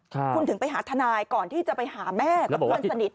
คุณถึงไปหาทนายก่อนที่จะไปหาแม่กับเพื่อนสนิท